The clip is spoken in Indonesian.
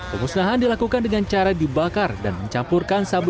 pemusnahan dilakukan dengan cara dibakar dan mencampurkan sabu